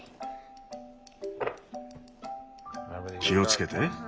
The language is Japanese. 気をつけて。